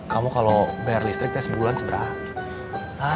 kamu kalau bayar listrik tes sebulan seberapa